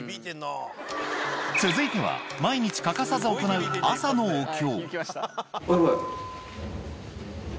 続いては、毎日欠かさず行う、朝のお経。